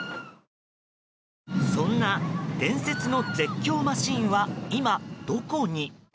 そんな伝説の絶叫マシンは今、どこに？